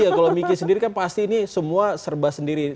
iya kalau miki sendiri kan pasti ini semua serba sendiri